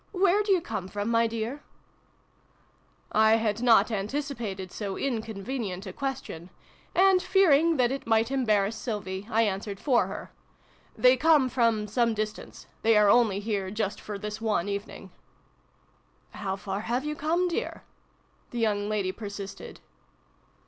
" Where do you come from, my dear ?" I had not anticipated so inconvenient a question ; and, fearing that it might embarrass Sylvie, I answered for her. " They come from some distance. They are only here just for this one evening." x] JABBERING AND JAM. 153 " How far have you come, dear ?" the young lady persisted.